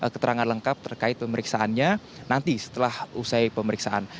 keterangan lengkap terkait pemeriksaannya nanti setelah usai pemeriksaan